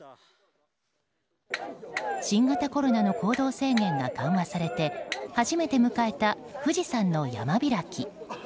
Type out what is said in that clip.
新型コロナの行動制限が緩和されて初めて迎えた富士山の山開き。